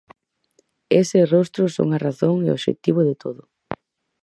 Eses rostros son a razón e o obxectivo de todo.